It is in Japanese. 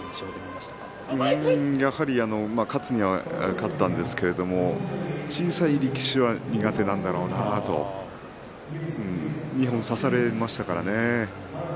やはり勝つには勝ったんですが小さい力士は苦手なんだろうなと二本差されましたからね。